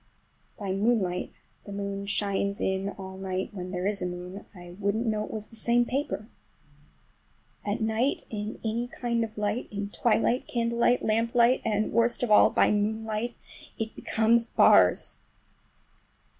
By moonlight—the moon shines in all night when there is a moon—I wouldn't know it was the same paper. At night in any kind of light, in twilight, candlelight, lamplight, and worst of all by moonlight, it becomes bars!